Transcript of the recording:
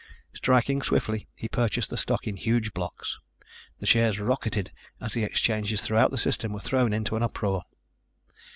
Striking swiftly, he purchased the stock in huge blocks. The shares rocketed as the exchanges throughout the System were thrown into an uproar.